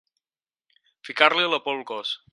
Ficar-li la por al cos.